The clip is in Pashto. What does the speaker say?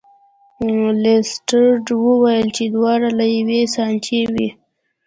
لیسټرډ وویل چې دواړه له یوې سانچې وې.